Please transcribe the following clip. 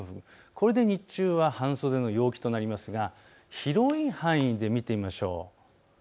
これで日中は半袖の陽気となりますが広い範囲で見てみましょう。